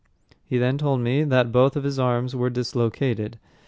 He then told me that both of his arms were dislocated.